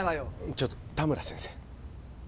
ちょっと田村先生